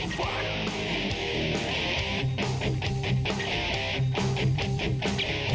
ไทยรัฐมวยไทยไฟเตอร์